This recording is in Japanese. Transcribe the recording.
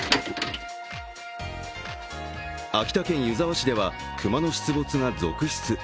秋田県湯沢市では、熊の出没が続出。